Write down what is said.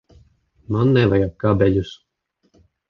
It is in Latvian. Man nevajag kabeļus.